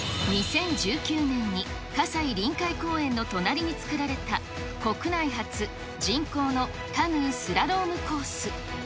２０１９年に葛西臨海公園の隣に造られた、国内初、人工のカヌースラロームコース。